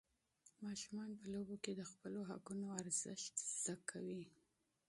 ماشومان په لوبو کې د خپلو حقونو اهمیت زده کوي.